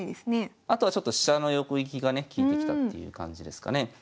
あとは飛車の横利きがね利いてきたっていう感じですかね。